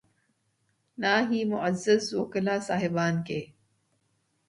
نہ ہی معزز وکلا صاحبان کے۔